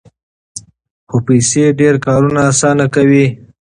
خو پیسې ډېر کارونه اسانه کوي.